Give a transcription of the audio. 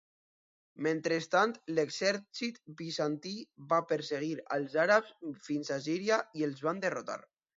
Mentrestant, l'exèrcit bizantí va perseguir als àrabs fins a Síria i els va derrotar.